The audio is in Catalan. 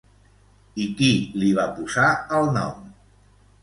I qui li va posar el nom?